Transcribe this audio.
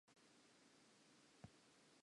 Wena o nahana eng ka sena?